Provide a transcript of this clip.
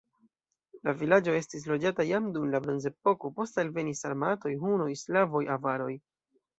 La vilaĝo estis loĝata jam dum la bronzepoko, poste alvenis sarmatoj, hunoj, slavoj, avaroj.